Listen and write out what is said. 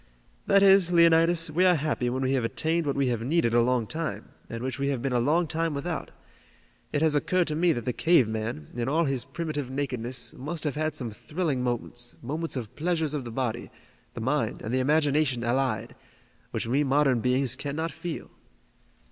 "That is, Leonidas, we are happy when we have attained what we have needed a long time, and which we have been a long time without. It has occurred to me that the cave man, in all his primitive nakedness, must have had some thrilling moments, moments of pleasures of the body, the mind and the imagination allied, which we modern beings cannot feel."